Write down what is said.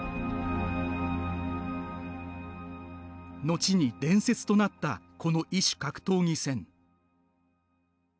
後に伝説となったこの異種格闘技戦。